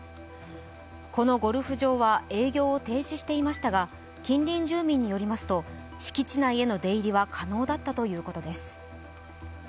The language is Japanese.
このゴルフ場は営業を停止していましたが近隣住民によりますと敷地内への出入りは可能だったということです。